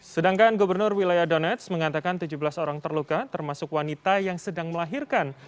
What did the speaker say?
sedangkan gubernur wilayah donnets mengatakan tujuh belas orang terluka termasuk wanita yang sedang melahirkan